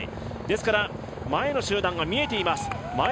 ですから、前の集団が見えています。